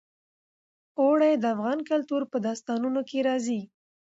اوړي د افغان کلتور په داستانونو کې راځي.